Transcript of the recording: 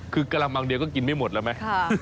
คือกระมังเดียวก็กินไม่หมดแล้วไหม